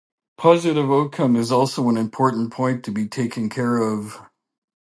Positive outcome is also an important point to be taking care of.